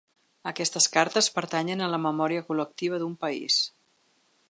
Aquestes cartes pertanyen a la memòria col·lectiva d’un país.